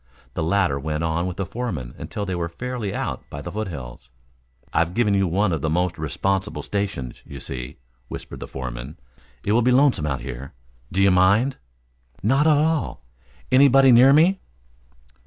The latter went on with the foreman until they were fairly out by the foothills. "I've given you one of the most responsible stations, you see," whispered the foreman. "It will be lonesome out here. Do you mind?" "Not at all. Anybody near me?"